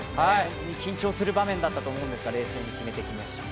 緊張する場面だったと思いますが、冷静に決めました。